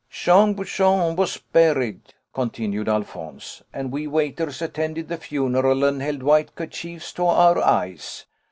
"Jean Bouchon was buried," continued Alphonse; "and we waiters attended the funeral and held white kerchiefs to our eyes.